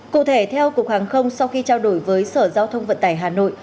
cụ thể theo cục hàng không sau khi trao đổi với sở giao thông vận tải hà nội